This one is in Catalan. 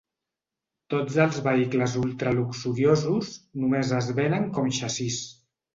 Tots els vehicles ultra luxuriosos només es venen com xassís.